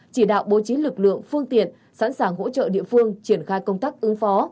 chỉ đạo bố trí lực lượng phương tiện sẵn sàng hỗ trợ địa phương triển khai công tác ứng phó